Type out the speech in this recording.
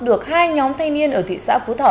được hai nhóm thanh niên ở thị xã phú thọ